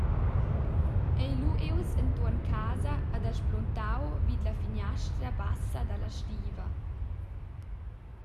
Ei lu ius entuorn casa ed ha spluntau vid la finiastra bassa dalla stiva.